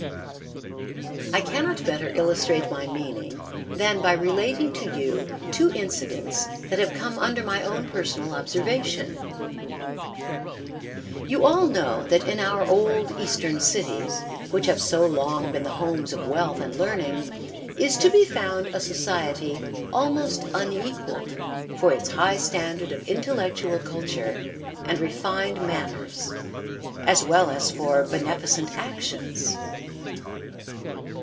I cannot better illustrate my meaning than by relating to you two incidents that have come under my own personal observation. You all know that in our old Eastern cities, which have so long been the homes of wealth and learning, is to be found a society almost unequalled for its high standard of intellectual culture and refined manners as well as for beneficent actions.